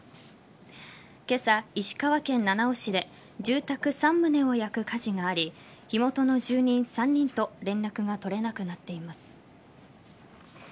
今朝、石川県七尾市で住宅３棟を焼く火事があり火元の住人３人と連絡が取れなくなっています。